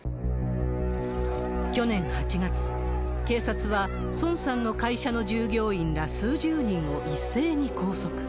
去年８月、警察は孫さんの会社の従業員ら数十人を一斉に拘束。